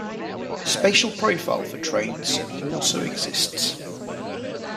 A special profile for trains also exists.